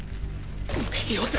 よせ。